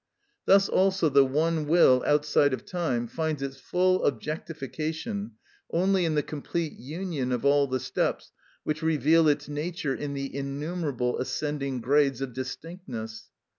Thus also the one will outside of time finds its full objectification only in the complete union of all the steps which reveal its nature in the innumerable ascending grades of distinctness.